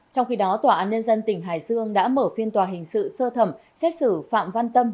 trong khi đó tòa án nhân dân tỉnh hải dương đã mở phiên tòa hình sự sơ thẩm xét xử phạm văn tâm